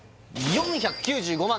４９５万